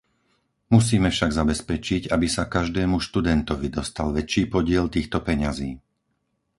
Musíme však zabezpečiť, aby sa každému študentovi dostal väčší podiel týchto peňazí.